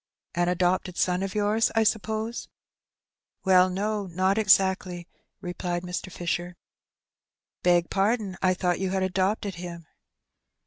*' An adopted son of yours, I suppose ?" ''Well, no, not exactly," replied Mr. Fisher. "Beg pardon, I thought you had adopted him."